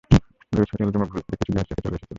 Luis hotel রুমে ভুল করে কিছু জিনিস রেখেই চলে এসেছিল।